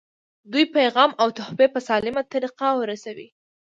دوی پیغام او تحفې په سالمه طریقه ورسوي.